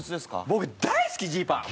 僕大好きジーパン！